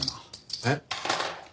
えっ？